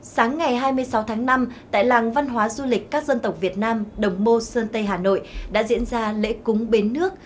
sáng ngày hai mươi sáu tháng năm tại làng văn hóa du lịch các dân tộc việt nam đồng mô sơn tây hà nội đã diễn ra lễ cúng bến nước